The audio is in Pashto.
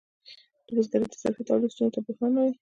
د بزګرۍ د اضافي تولید ستونزې ته بحران وايي